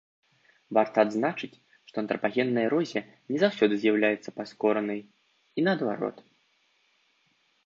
Варта адзначыць, што антрапагенная эрозія не заўсёды з'яўляецца паскоранай, і наадварот.